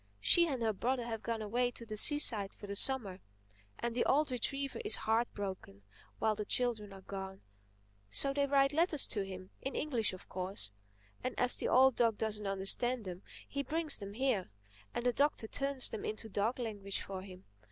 She and her brother have gone away to the seaside for the Summer; and the old retriever is heart broken while the children are gone. So they write letters to him—in English of course. And as the old dog doesn't understand them, he brings them here, and the Doctor turns them into dog language for him.